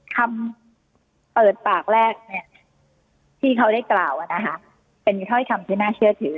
คำเปิดปากแรกที่เขาได้กล่าวเป็นถ้อยคำที่น่าเชื่อถือ